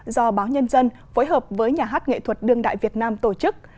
do báo nhân dân phối hợp với nhà hát nghệ thuật đương đại việt nam tổ chức